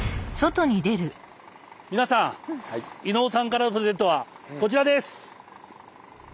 皆さん伊野尾さんからのプレゼントはこちらです！